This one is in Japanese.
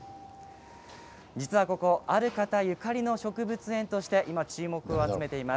ここは、ある方ゆかりの植物園として注目を集めています。